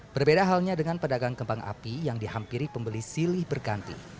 berbeda halnya dengan pedagang kembang api yang dihampiri pembeli silih berganti